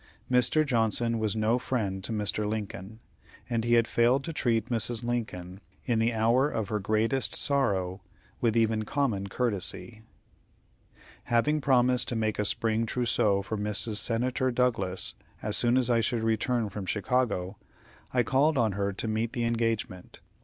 Mr. Johnson was no friend to Mr. Lincoln, and he had failed to treat Mrs. Lincoln, in the hour of her greatest sorrow, with even common courtesy. Having promised to make a spring trousseau for Mrs. Senator Douglas as soon as I should return from Chicago, I called on her to meet the engagement.